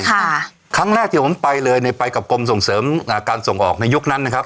ค่ะครั้งแรกที่ผมไปเลยเนี่ยไปกับกรมส่งเสริมอ่าการส่งออกในยุคนั้นนะครับ